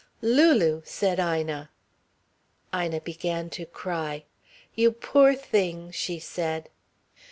"Lulu!" said Ina. Ina began to cry. "You poor thing!" she said.